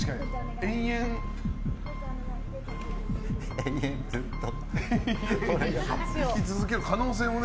延々、ずっと引き続ける可能性もね。